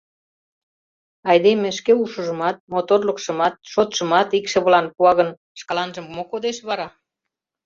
Айдеме шке ушыжымат, моторлыкшымат, шотшымат икшывылан пуа гын, шкаланже мо кодеш вара?